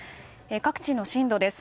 各地の震度です。